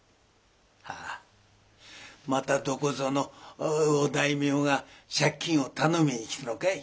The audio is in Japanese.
ああまたどこぞのお大名が借金を頼みに来たのかい？